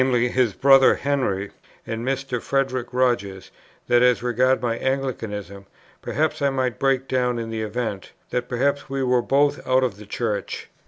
his brother Henry and Mr. Frederic Rogers, that, as regards my Anglicanism, perhaps I might break down in the event, that perhaps we were both out of the Church.